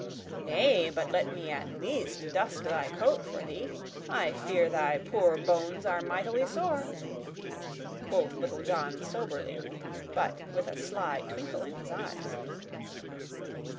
"Nay, but let me at least dust thy coat for thee. I fear thy poor bones are mightily sore," quoth Little John soberly, but with a sly twinkle in his eyes.